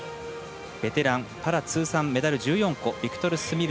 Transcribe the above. ベテラン、パラ通算メダル１４個ビクトル